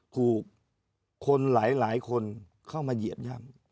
ถูกคนหลายคนเข้ามาเหยียบย่ำ